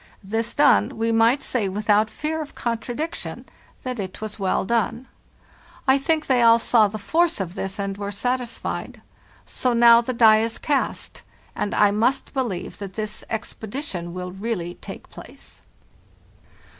This done, we might say, without fear of contradiction, that it was well done. I think they all saw the force of this, and were satisfied. So now the die is cast, and I must believe that this expedition will really take place."